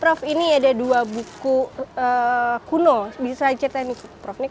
prof ini ada dua buku kuno bisa diceritakan prof ini kayaknya ada maknanya juga